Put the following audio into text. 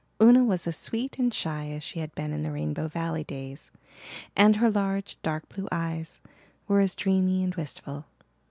Una was as sweet and shy as she had been in the Rainbow Valley days, and her large, dark blue eyes were as dreamy and wistful.